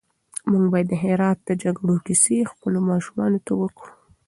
موږ بايد د هرات د جګړو کيسې خپلو ماشومانو ته وکړو.